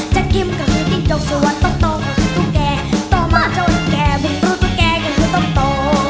จากกิ้มก็คือจิ้มจกส่วนตกก็คือตุ๊กแกต่อมาจนแกบึงรู้ตุ๊กแกอย่างคือตุ๊กโต